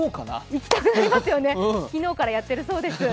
行きたくなりますよね、昨日からやっているそうです。